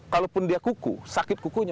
kalaupun dia kuku sakit kukunya